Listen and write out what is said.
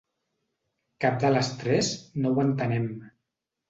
Cap de les tres no ho entenem.